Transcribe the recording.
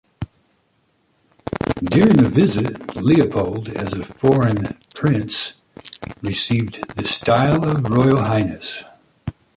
During the visit, Leopold, as a "foreign prince", received the style of "Royal Highness".